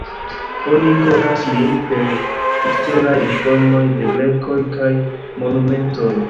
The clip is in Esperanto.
Oni konas lin per eksteraj informoj de grekoj kaj monumentoj.